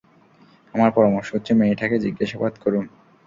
আমার পরামর্শ হচ্ছে, মেয়েটাকে জিজ্ঞাসাবাদ করুন।